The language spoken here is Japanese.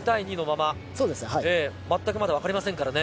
まったく分かりませんからね。